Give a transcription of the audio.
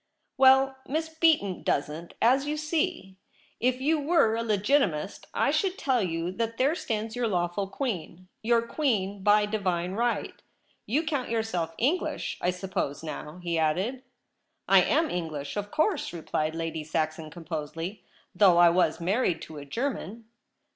'Well, Miss Beaton doesn't, as you see. If you were a Legitimist, I should tell you that there stands your lawful Queen — your Queen by Divine right. You count yourself English, I suppose, now ?' he added. ' I am English, of course,' replied Lady Saxon composedly, ' though I was married to a German.'